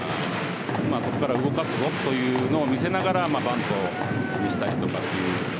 そこから動かすぞというのを見せながらバントにしたりとかという。